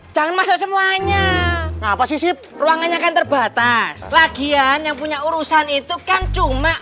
jangan masuk semuanya posisi ruangannya kan terbatas lagian yang punya urusan itu kan cuma